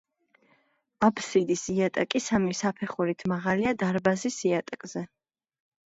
აბსიდის იატაკი სამი საფეხურით მაღალია დარბაზის იატაკზე.